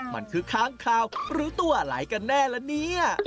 มันคือค้างคาวหรือตัวอะไรกันแน่ละเนี่ย